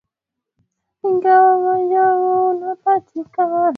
Ingawa ugonjwa huu unapatikana katika kaunti zote